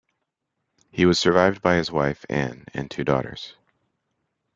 He was survived by his wife, Anne, and two daughters.